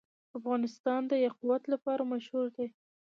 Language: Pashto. افغانستان د یاقوت لپاره مشهور دی.